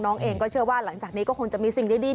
เองก็เชื่อว่าหลังจากนี้ก็คงจะมีสิ่งดี